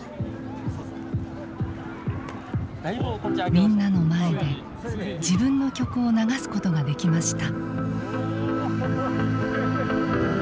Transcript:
みんなの前で自分の曲を流すことができました。